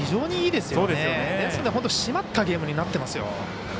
ですので、本当に締まったゲームになってますよ。